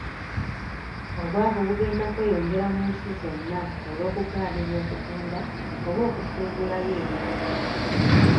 Obwavu bugenda kweyongera mu nsi zonna olw'okugaanibwa okutunda oba okusuubulayo ebintu.